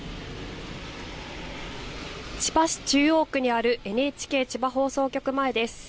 千葉市中央区にあるＮＨＫ千葉放送局前です。